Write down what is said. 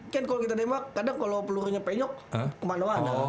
kan kalau kita tembak kadang kalau pelurunya penyok kemana mana